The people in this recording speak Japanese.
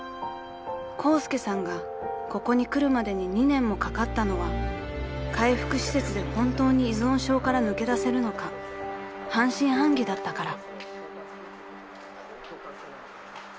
［コウスケさんがここに来るまでに２年もかかったのは回復施設で本当に依存症から抜け出せるのか半信半疑だったから］